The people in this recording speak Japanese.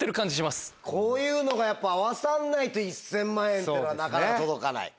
こういうのがやっぱ合わさんないと１０００万円っていうのはなかなか届かない。